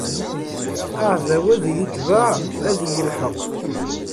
Aɛdaw ad iyi-itbeɛ, ad iyi-ilḥeq.